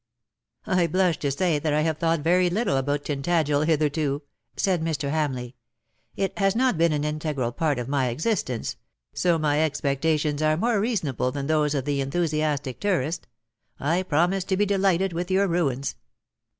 " I blush to say that I have thought very little about Tintagel hitherto," said Mr. Hamleigh; "it has not been an integral part of my existence ; so my expectations are more reasonable than those of the enthusiastic tourist. I promise to be delighted with your ruins."